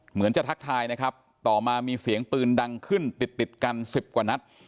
เหมือนจะทักทายนะครับต่อมามีเสียงปืนดังขึ้นติดติดกัน๑๐กว่านัด